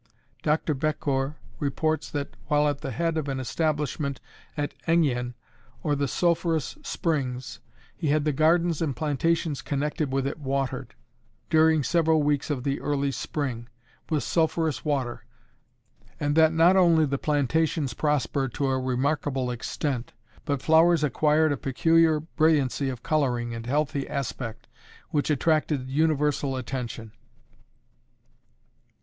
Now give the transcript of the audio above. Dr. Becourt reports that while at the head of an establishment at Enghien, or the sulphurous springs, he had the gardens and plantations connected with it watered, during several weeks of the early Spring, with sulphurous water, and that not only the plantations prospered to a remarkable extent, but flowers acquired a peculiar brilliancy of coloring and healthy aspect which attracted universal attention.